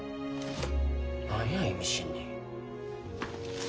何や意味深に。